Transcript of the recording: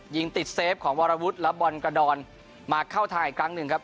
ยิงติดเซฟของวรวุฒิและบอลกระดอนมาเข้าทางอีกครั้งหนึ่งครับ